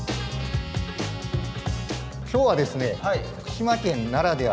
今日はですね